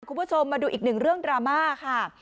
คุณผู้ชมมาดูอีกหนึ่งเรื่องดราม่าค่ะ